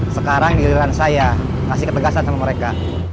sekarang di lirik saya kasih ketegasan sama mereka